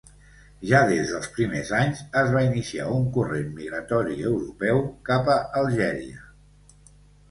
Ja des dels primers anys es va iniciar un corrent migratori europeu cap a Algèria.